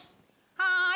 はい。